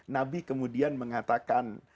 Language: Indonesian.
nabi kemudian mengatakan